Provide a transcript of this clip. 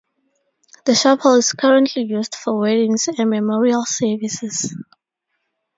The chapel is currently used for weddings and memorial services.